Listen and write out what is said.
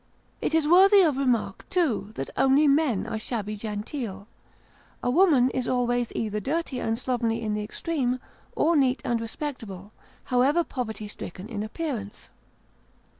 It is worthy of remark, too, that only men are shabby genteel; a woman is always either dirty and slovenly in the extreme, or neat and respectable, however poverty stricken in appearance.